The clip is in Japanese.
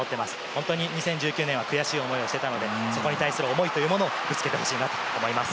本当に２０１９年は悔しい思いをしてたので、そこに対する思いというものをぶつけてほしいなと思います。